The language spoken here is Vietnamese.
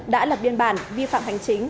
đã lập biên bản vi phạm hành chính